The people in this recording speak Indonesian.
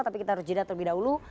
tapi kita harus jeda terlebih dahulu